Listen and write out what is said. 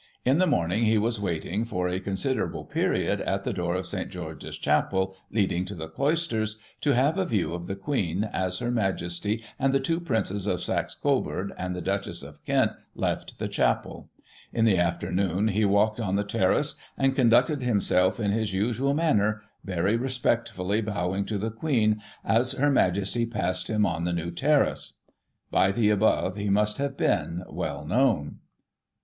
In the morning, he was waiting, for a considerable period, at the door of St. George's Chapel, leading to the Cloisters, to have a view of the Queen, as Her Majesty and the two Princes of Saxe Coburg, and the Duchess of Kent left the Chapel: In the afternoon, he walked on the Terrace, and conducted himself in his usual manner, very respectfully bowing to the Queen, as Her Majesty passed him on the New Terrace." — By the above, he must have been well known.